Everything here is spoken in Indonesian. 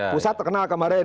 pusat terkenal kemarin